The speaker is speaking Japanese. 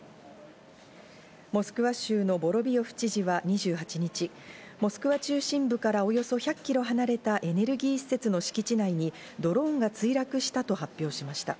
モスクワ州のボロビヨフ知事は２８日、モスクワ中心部からおよそ１００キロ離れたエネルギー施設の敷地内にドローンが墜落したと発表しました。